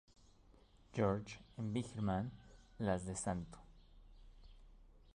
George en Birmingham; las de St.